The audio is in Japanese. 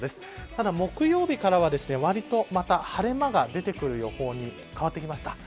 ただ、木曜日からはわりとまた晴れ間が出てくる予報に変わってきました。